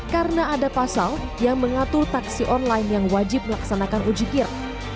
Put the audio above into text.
karena ada pasal yang mengatur taksi online yang wajib melaksanakan ujikir